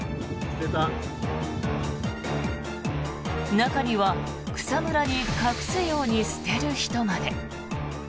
中には草むらに隠すように捨てる人まで。